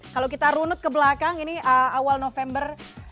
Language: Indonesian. kalau kita runut ke belakang ini awal november dua ribu dua belas